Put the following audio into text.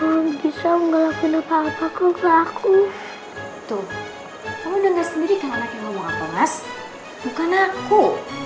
masa aku bisa ngelakuin apa apa kok aku tuh kamu dengar sendiri kan anaknya ngomong apa mas bukan aku